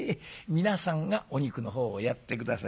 皆さんがお肉の方をやって下さい。